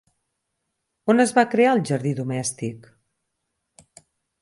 On es va crear el «jardí domèstic»?